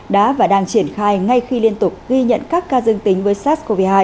đã và đang triển khai ngay khi liên tục ghi nhận các ca dương tính với sars cov hai